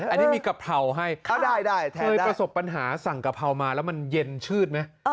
อันนี้มีกะเพราให้ได้เคยประสบปัญหาสั่งกะเพรามาแล้วมันเย็นชืดไหม